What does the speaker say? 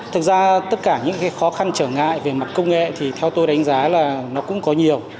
thực ra tất cả những cái khó khăn trở ngại về mặt công nghệ thì theo tôi đánh giá là nó cũng có nhiều